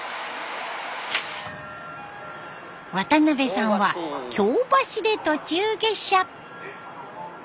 渡辺さんは京橋で途中下車。